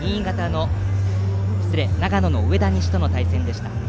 長野の上田西との対戦でした。